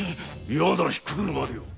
嫌ならひっくくるまで。